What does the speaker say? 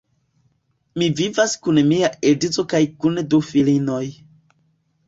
Mi vivas kun mia edzo kaj kun du filinoj.